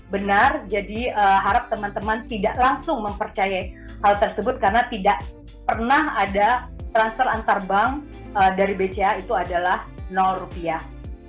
benar jadi harap teman teman tidak langsung mempercayai hal tersebut karena tidak pernah ada transfer antar bank dari bca itu adalah rupiah